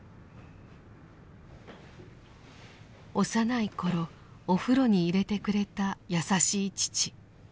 幼い頃お風呂に入れてくれた優しい父。